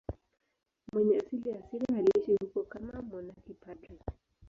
Mwenye asili ya Syria, aliishi huko kama mmonaki padri.